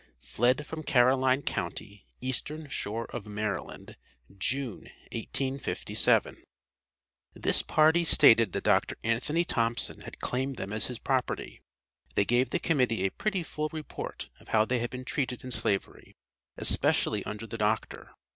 FLED FROM CAROLINE COUNTY, EASTERN SHORE OF MARYLAND, JUNE, 1857. This party stated that Dr. Anthony Thompson had claimed them as his property. They gave the Committee a pretty full report of how they had been treated in slavery, especially under the doctor.